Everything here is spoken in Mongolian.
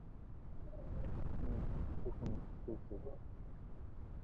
Шөнө нь нэг жигтэйхэн урт зүүд зүүдэллээ.